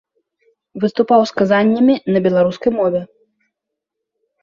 Выступаў з казаннямі на беларускай мове.